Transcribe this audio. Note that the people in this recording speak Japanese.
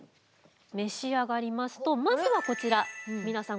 召し上がりますとまずはこちら皆さん